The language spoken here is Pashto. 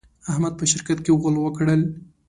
احمد په شراکت کې غول وکړل.